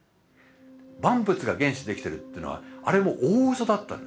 万物が原子でできてるっていうのはあれも大うそだったんですね。